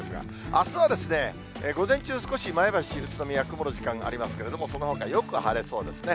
あすは午前中、少し前橋、宇都宮、曇る時間がありますけれども、そのほか、よく晴れそうですね。